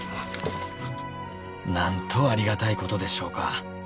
「何とありがたいことでしょうか」